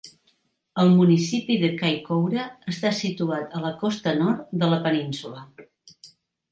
El municipi de Kaikoura està situat a la costa nord de la península.